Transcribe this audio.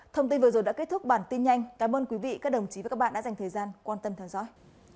thông tin vừa rồi đã kết thúc bản tin nhanh cảm ơn quý vị các đồng chí và các bạn đã dành thời gian quan tâm theo dõi